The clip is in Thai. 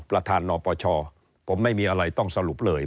ประธานนปชผมไม่มีอะไรต้องสรุปเลย